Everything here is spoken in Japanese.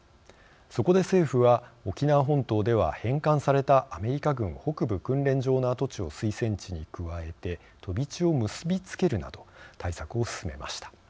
そこで政府は沖縄本島では返還されたアメリカ軍北部訓練場の跡地を推薦地に加えて飛び地を結び付けるなど対策を進めました。